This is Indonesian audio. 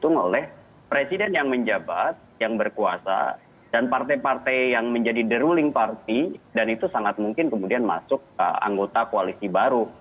ketika itu terjadi keuntungan yang dihitung oleh presiden yang menjabat yang berkuasa dan partai partai yang menjadi deruling parti dan itu sangat mungkin kemudian masuk ke anggota koalisi baru